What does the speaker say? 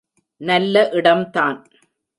நல்ல இடம் தான்.